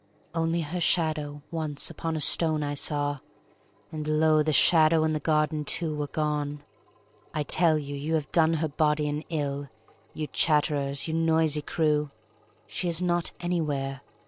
Only her shadow once upon a stone I saw, and, lo, the shadow and the garden, too, were gone. I tell you you have done her body an ill, You chatterers, you noisy crew! She is not anywhere!